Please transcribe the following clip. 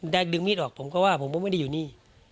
ดึงมีดออกผมก็ว่าผมก็ไม่ได้อยู่นี่